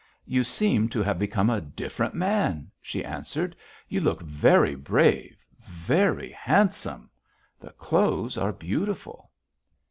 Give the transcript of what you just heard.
"'You seem to have become a different man,' she answered. 'You look very brave, very handsome. The clothes are beautiful.'